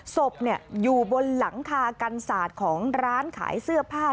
ศพอยู่บนหลังคากันศาสตร์ของร้านขายเสื้อผ้า